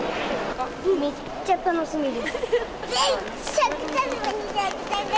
めっちゃ楽しみです。